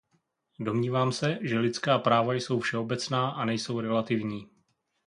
Domnívám se, že lidská práva jsou všeobecná a nejsou relativní.